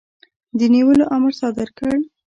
د نیولو امر صادر کړ.